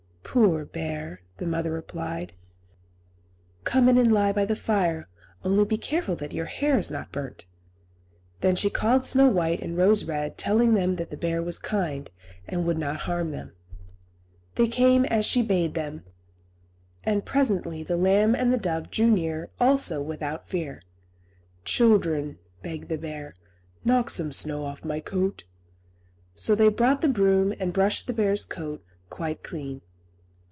"Poor bear!" the mother replied; "come in and lie by the fire; only be careful that your hair is not burnt." Then she called Snow White and Rose Red, telling them that the bear was kind, and would not harm them. They came, as she bade them, and presently the lamb and the dove drew near also without fear. "Children," begged the bear; "knock some of the snow off my coat." So they brought the broom and brushed the bear's coat quite clean.